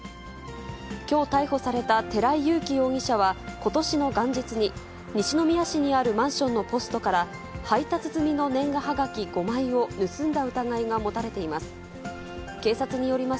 きょう逮捕された寺井勇気容疑者は、ことしの元日に、西宮市にあるマンションのポストから、配達済みの年賀はがき５枚を盗んだ疑いが持たれています。